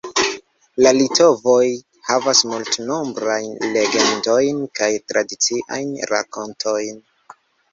La litovoj havas multnombrajn legendojn kaj tradiciajn rakontojn.